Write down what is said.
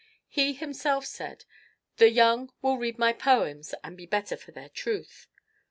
He himself said, "The young will read my poems and be better for their truth."